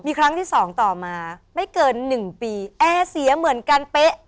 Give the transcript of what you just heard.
มีครั้งที่สองต่อมาไม่เกิน๑ปีแอร์เสียเหมือนกันเป๊ะ